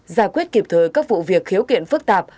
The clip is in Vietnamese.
giải quyết kịp thời các vụ việc khiếu kiện phức tạp